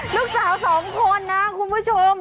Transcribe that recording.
ลูกสาวสองคนนะคุณผู้ชม